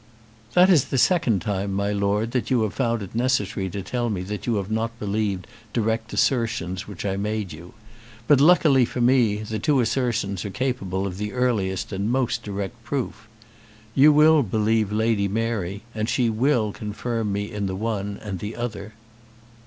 "That is the second time, my Lord, that you have found it necessary to tell me that you have not believed direct assertions which I made you. But, luckily for me, the two assertions are capable of the earliest and most direct proof. You will believe Lady Mary, and she will confirm me in the one and the other."